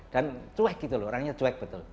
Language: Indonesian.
dan cuek gitu loh orangnya cuek betul